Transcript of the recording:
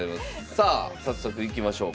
さあ早速いきましょうか。